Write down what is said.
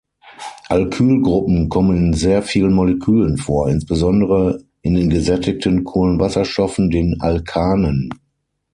Alkylgruppen kommen in sehr vielen Molekülen vor, insbesondere in den gesättigten Kohlenwasserstoffen, den Alkanen.